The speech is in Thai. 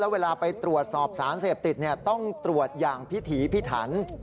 เวลาไปตรวจสอบสารเสพติดต้องตรวจอย่างพิถีพิถัน